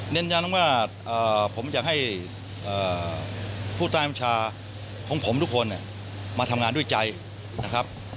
เน้นยังว่าผมจะให้ผู้ตายประชาของผมทุกคนเนี่ยมาทำงานด้วยใจนะครับ